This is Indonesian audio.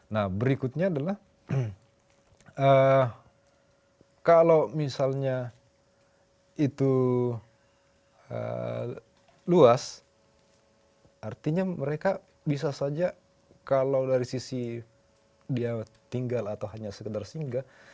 nah berikutnya adalah kalau misalnya itu luas artinya mereka bisa saja kalau dari sisi dia tinggal atau hanya sekedar singgah